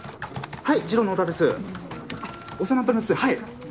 はい。